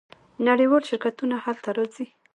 نړیوال شرکتونه هلته راځي.